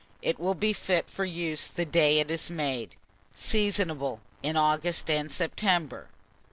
It will be fit for use the day it is made. Seasonable in August and September.